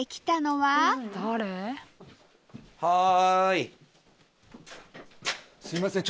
はい。